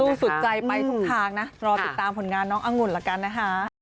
สุดใจไปทุกทางนะรอติดตามผลงานน้องอังุ่นละกันนะคะ